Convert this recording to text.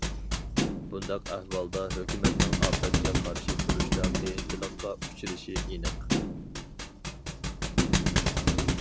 بۇنداق ئەھۋالدا ھۆكۈمەتنىڭ ئاپەتكە قارشى تۇرۇشتا قىيىنچىلىققا ئۇچرىشى ئېنىق.